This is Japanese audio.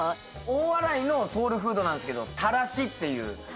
大洗のソウルフードなんすけどたらしっていう鉄板焼きの。